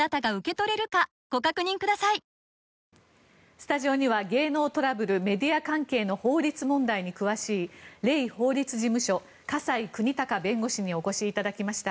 スタジオには芸能トラブルメディア関係の法律問題に詳しいレイ法律事務所河西邦剛弁護士にお越しいただきました。